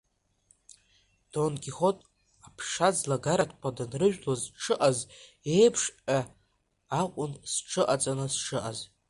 Дон-Кихот аԥша ӡлагарақәа данрыжәлоз дшыҟаз еиԥшҵәҟьа акәын сҽыҟаҵаны сшыҟаз.